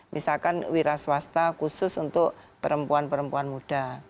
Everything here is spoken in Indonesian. misalkan wira swasta khusus untuk perempuan perempuan muda